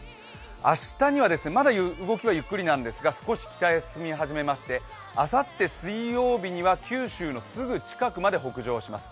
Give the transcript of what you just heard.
明日はまだ動きはゆっくりなんですが、少し北へ進みまして、あさって水曜日には九州のすぐ近くまで北上します。